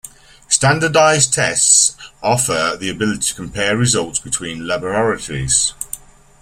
Standardized tests offer the ability to compare results between laboratories.